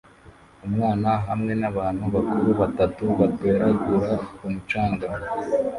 Umwana hamwe nabantu bakuru batatu batoragura ku mucanga